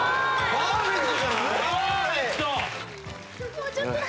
パーフェクト！